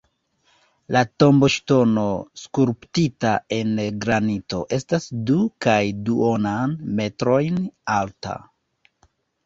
La tomboŝtono skulptita en granito estas du kaj duonan metrojn alta.